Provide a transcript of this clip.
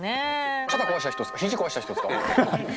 肩壊した人、ひじ壊した人ですか？